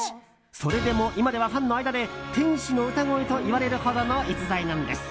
それでも今ではファンの間で天使の歌声といわれるほどの逸材なんです。